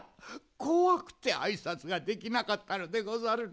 こわくてあいさつができなかったのでござるな。